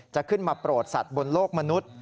จะขึ้นมาโปรดสัตว์บนโลกมนุษย์